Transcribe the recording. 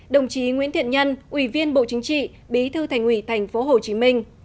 đồng chí nguyễn thiện nhân ủy viên bộ chính trị bí thư thành ủy thành phố hồ chí minh